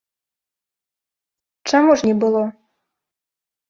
Чаму ж не было?